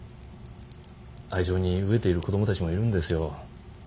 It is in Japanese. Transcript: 愛情に飢えている子供たちもいるんですよ。